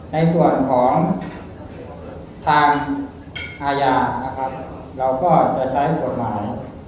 ในส่วนของทางอาญานะครับเราก็จะใช้กฎหมาย